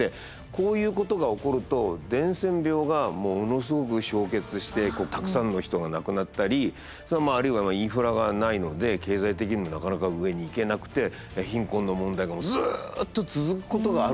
こういうことが起こると伝染病がものすごくしょうけつしてたくさんの人が亡くなったりあるいはインフラがないので経済的にもなかなか上にいけなくて貧困の問題がずっと続くことがあるんですよね。